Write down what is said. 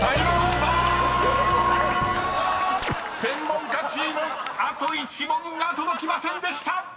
［専門家チームあと１問が届きませんでした！］